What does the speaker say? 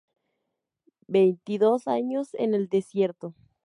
Veintidós años en el desierto".